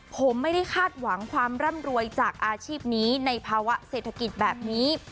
ผมไม่ได้คาดหวังความร่ำรวยจากอาชีพนี้ในภาวะเศรษฐกิจแบบนี้